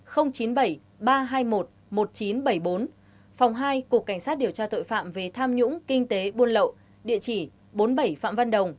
phòng hai cục cảnh sát điều tra tội phạm về tham nhũng kinh tế buôn lậu địa chỉ bốn mươi bảy phạm văn đồng